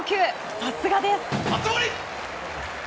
さすがです。